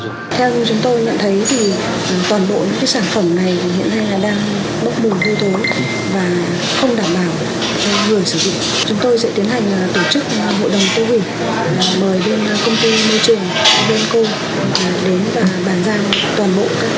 chúng tôi sẽ tiến hành tổ chức hội đồng covid một mươi chín mời bên công ty môi trường bên công đến và bàn gian toàn bộ các sản phẩm